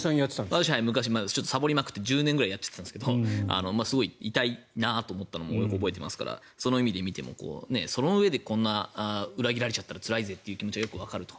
私さぼりまくって１０年ぐらいやってたんですがすごい痛いなと思ったのを覚えていますからその意味で見てもそのうえで、こんな裏切られちゃったらつらいぜという気持ちはよくわかると。